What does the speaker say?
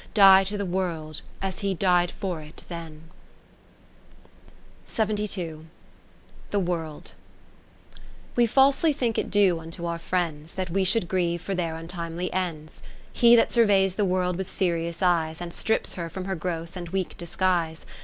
Die to the World as He died for it then, 40 The World We falsely think it due unto our friends, That we should grieve for their un timely ends. He that surveys the world with serious eyes. And strips her from her gross and weak disguise.